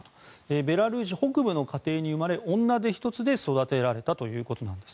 ベラルーシ北部の家庭に生まれ女手一つで育てられたということです。